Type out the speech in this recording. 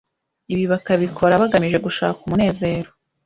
ibi bakabikora bagamije gushaka umunezero